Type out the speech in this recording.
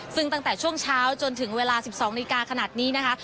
ซึ่งตั้งแต่ช่วงเช้าจนถึงเวลา๑๒นาฬิกาขนาดนี้นะคะ